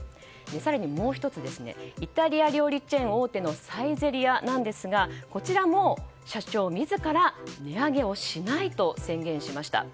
更にもう１つイタリア料理チェーン大手のサイゼリヤなんですがこちらも、社長自ら値上げをしないと宣言しました。